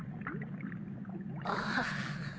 ああ。